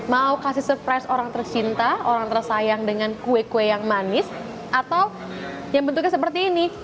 mau kasih surprise orang tercinta orang tersayang dengan kue kue yang manis atau yang bentuknya seperti ini